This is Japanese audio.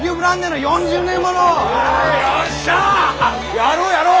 やろうやろう！